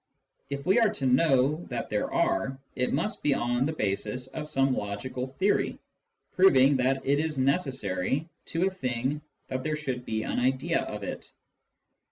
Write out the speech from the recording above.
If we are to know that there are, it must be on the basis of some logical theory, proving that it is necessary to a thing that there should be an idea of it.